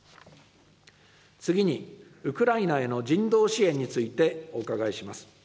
次に、ウクライナへの人道支援についてお伺いします。